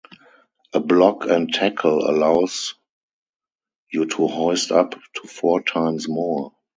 A block and tackle allows you to hoist up to four times more.